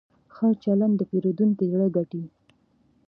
ښه چلند د پیرودونکي زړه ګټي.